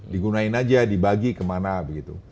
digunain aja dibagi kemana begitu